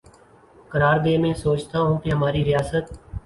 قرار دے میںسوچتاہوں کہ ہماری ریاست